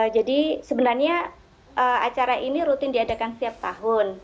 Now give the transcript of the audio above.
jadi sebenarnya acara ini rutin diadakan setiap tahun